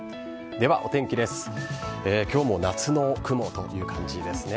では、お天気です今日も夏の雲という感じですね。